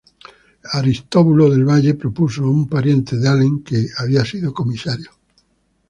Aristóbulo del Valle propuso a un pariente de Alem, que había sido comisario.